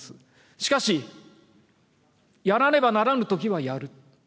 しかし、やらねばならぬときはやる。